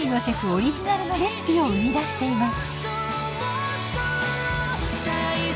オリジナルのレシピを生み出しています。